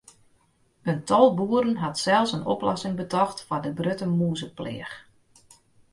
In tal boeren hat sels in oplossing betocht foar de grutte mûzepleach.